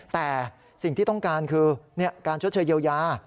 แต่สิ่งที่ต้องการคือการชดเชยเยียวยา